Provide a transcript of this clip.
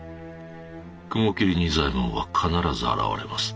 雲霧仁左衛門は必ず現れます。